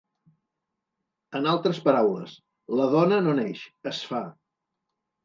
En altres paraules: la dona no neix, es fa.